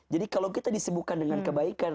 jadi kalau kita disibukan dengan kebaikan